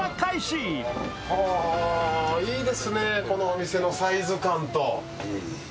いいですね、このお店のサイズ感と。